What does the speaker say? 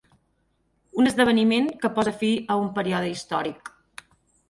Un esdeveniment que posa fi a un període històric.